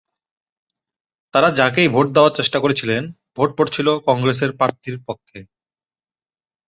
তাঁরা যাঁকেই ভোট দেওয়ার চেষ্টা করছিলেন, ভোট পড়ছিল কংগ্রেসের প্রার্থীর পক্ষে।